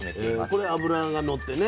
これ脂がのってね